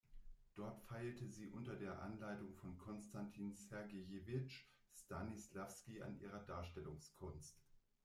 Dort feilte sie unter der Anleitung von Konstantin Sergejewitsch Stanislawski an ihrer Darstellungskunst.